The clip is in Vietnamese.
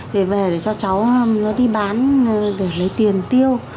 để về để cho cháu nó đi bán để lấy tiền tiêu